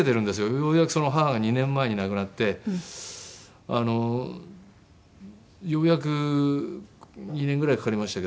ようやく母が２年前に亡くなってようやく２年ぐらいかかりましたけど。